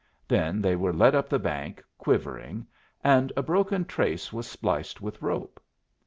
Then they were led up the bank, quivering, and a broken trace was spliced with rope.